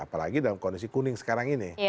apalagi dalam kondisi kuning sekarang ini